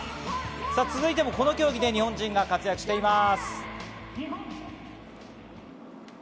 続いては、この競技でも日本人が活躍しています。